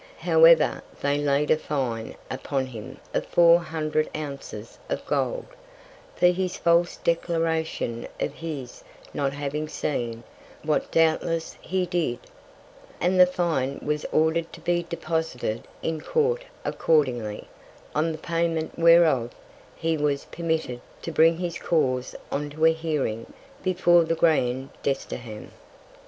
However, they laid a Fine upon him of Four Hundred Ounces of Gold, for his false Declaration of his not having seen, what doubtless he did: And the Fine was order'd to be deposited in Court accordingly: On the Payment whereof, he was permitted to bring his Cause on to a Hearing before the grand Desterham.